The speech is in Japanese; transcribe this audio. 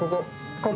ここ！